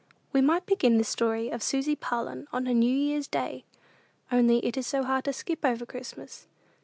We might begin this story of Susy Parlin on a New Year's day, only it is so hard to skip over Christmas.